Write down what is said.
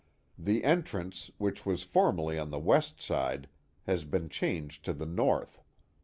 The entrance, which was formerly on the west side, has been changed to the north.